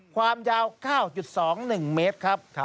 ความยาว๙๒๑เมตรครับ